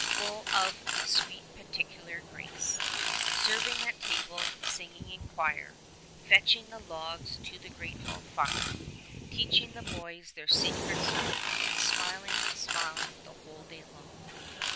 Full of a sweet peculiar grace. Serving at table, singing in quire. Fetching the logs to the great hall fire; Teaching the boys their sacred song, Smiling, smiling the whole day long.